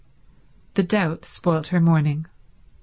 The doubt spoilt her morning.